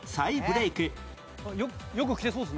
よく着てそうですね。